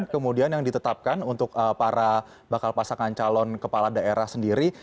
kemudian yang ditetapkan untuk para bakal pasangan calon kepala daerah sendiri